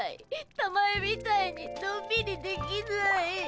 たまえみたいにのんびりできない。